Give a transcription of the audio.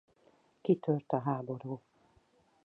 Kitört a háború.